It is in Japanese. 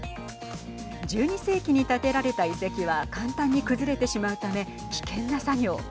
１２世紀に建てられた遺跡は簡単に崩れてしまうため危険な作業。